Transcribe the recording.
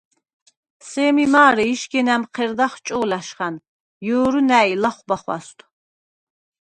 სემი მა̄რე იშგენ ა̈მჴერდახ ჭო̄ლა̈შხა̈ნ, ჲერუ ნა̈ჲ ლახვბა ხვა̈სვდ.